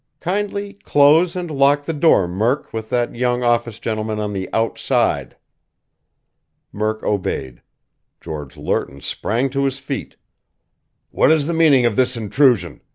Kindly close and lock the door, Murk, with that young office gentleman on the outside!" Murk obeyed. George Lerton sprang to his feet. "What is the meaning of this intrusion?"